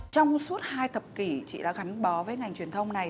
trong suốt hai thập kỷ chị đã gắn bó với ngành truyền thông này